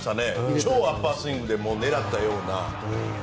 超アッパースイングで狙っているかのような。